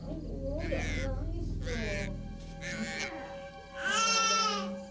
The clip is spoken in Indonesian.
dan saya akan menemukan bung